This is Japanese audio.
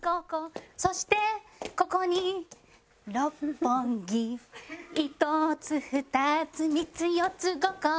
「そしてここに六本木」「１つ２つ３つ４つ５個」